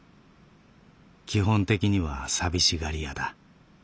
基本的には寂しがり屋だ」。